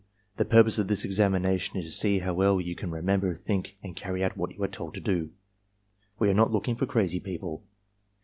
The purpose of this examination is to see how well you can remember, think, and carry out what you are told to do. We are not looking for crazy people.